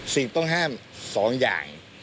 สิ่งต้องห้าม๒อย่าง